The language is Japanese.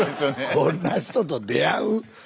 こんな人と出会う？